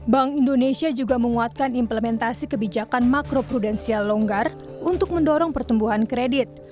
bank indonesia juga menguatkan implementasi kebijakan makro prudensial longgar untuk mendorong pertumbuhan kredit